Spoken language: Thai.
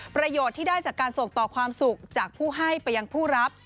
ประโยชน์ที่ได้จากการส่งต่อความสุขจากผู้ให้ไปยังผู้รับ